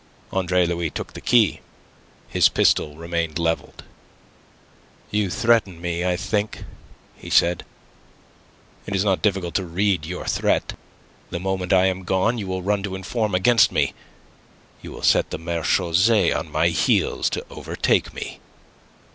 Andre Louis took the key. His pistol remained levelled. "You threaten me, I think," he said. "It is not difficult to read your threat. The moment I am gone, you will run to inform against me. You will set the marechaussee on my heels to overtake me."